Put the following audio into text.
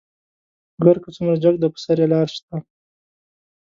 غر کۀ څومره جګ دى، پۀ سر يې لار شته.